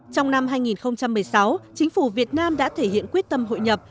trong năm hai nghìn một mươi sáu chính phủ việt nam đã thể hiện quyết tâm hội nhập